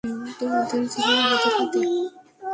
তোমাদের জীবন আমাদের হাতে।